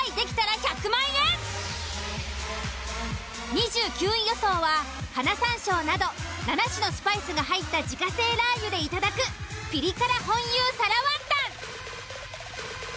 ２９位予想は花山椒など７種のスパイスが入った自家製ラー油でいただくピリ辛紅油皿ワンタン。